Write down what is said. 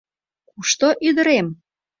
— Кушто ӱдырем?